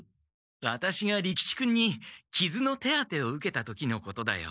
ワタシが利吉君にきずの手当てを受けた時のことだよ。